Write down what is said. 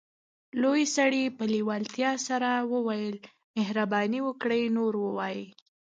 لوی سړي په لیوالتیا سره وویل مهرباني وکړئ نور ووایئ